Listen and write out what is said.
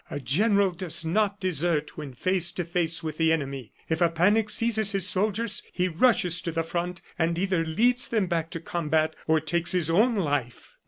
"A general does not desert when face to face with the enemy. If a panic seizes his soldiers, he rushes to the front, and either leads them back to combat, or takes his own life."